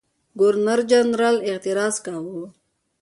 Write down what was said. ګورنرجنرال اعتراض کاوه.